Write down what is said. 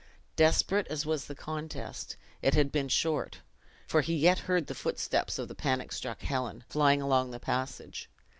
Desperate as was the contest, it had been short; for he yet heard the footsteps of the panic struck Helen, flying along the passage.